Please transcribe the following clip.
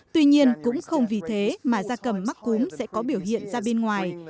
tuy nhiên cũng không vì thế mà da cầm mắc cúm sẽ có biểu hiện ra bên ngoài